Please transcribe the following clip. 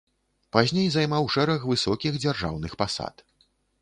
Пазней займаў шэраг высокіх дзяржаўных пасад.